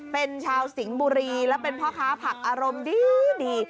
เป็นชาวสิงห์บุรีและเป็นพ่อค้าผักอารมณ์ดี